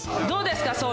どうですか？